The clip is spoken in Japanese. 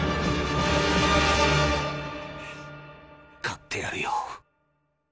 買ってやるよ